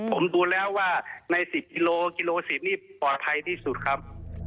ผมดูแล้วว่าใน๑๐กิโลกิโล๑๐นี่ปลอดภัยที่สุดครับ